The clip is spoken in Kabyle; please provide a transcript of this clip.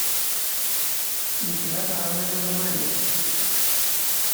Nekk d aɣerman almani.